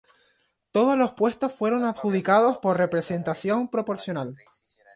Todos los puestos fueron adjudicados por representación proporcional.